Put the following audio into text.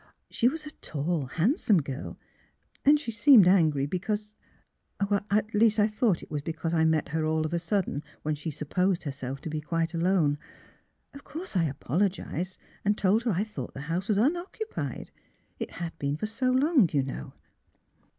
*' She was a tall, handsome girl ; and she seemed angry because I — at least I thought it was because I met her all of a sudden, when she supposed her self to be quite alone. Of course I apologise'd and told her I thought the house was unoccupied. It has been for so long, you know."